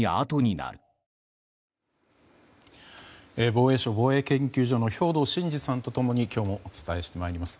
防衛省防衛研究所の兵頭慎治さんと共に今日もお伝えしてまいります。